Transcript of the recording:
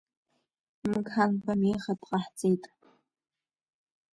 Мқанба Миха дҟаҳҵеит.